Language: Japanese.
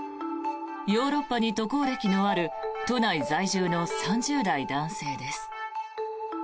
ヨーロッパに渡航歴のある都内在住の３０代男性です。